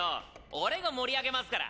俺が盛り上げますから。